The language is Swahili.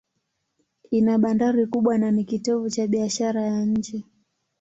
Ina bandari kubwa na ni kitovu cha biashara ya nje.